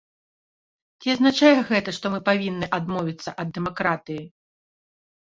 Ці азначае гэта, што мы павінны адмовіцца ад дэмакратыі?